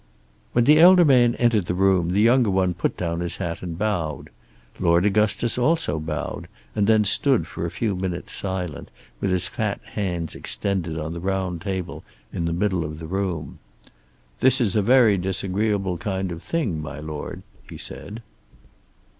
When the elder man entered the room the younger one put down his hat and bowed. Lord Augustus also bowed and then stood for a few moments silent with his fat hands extended on the round table in the middle of the room. "This is a very disagreeable kind of thing, my Lord," he said.